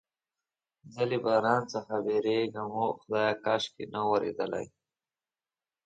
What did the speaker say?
زه له باران څخه بیریږم، اوه خدایه، کاشکې نه بیریدلای.